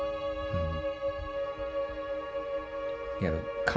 うん。